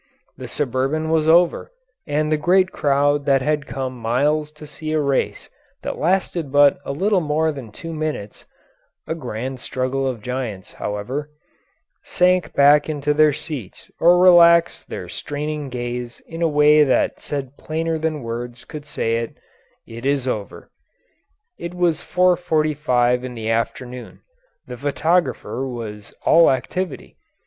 The Suburban was over, and the great crowd that had come miles to see a race that lasted but a little more than two minutes (a grand struggle of giants, however), sank back into their seats or relaxed their straining gaze in a way that said plainer than words could say it, "It is over." It was 4:45 in the afternoon. The photographer was all activity.